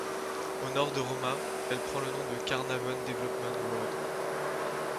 Au nord de Roma, elle prend le nom de Carnarvon Developmental Road.